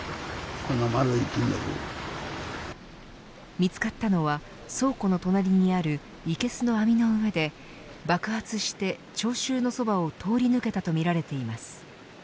見つかったのは倉庫の隣にあるいけすの網の上で爆発して聴衆のそばを通り抜けたとみられています。